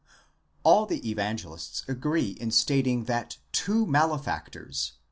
All the Evangelists agree in stating that two malefactors δύο κακοῦργοι.